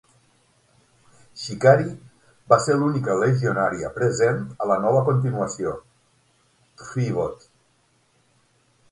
Shikari va ser l'única legionària present a la nova continuació, "Threeboot".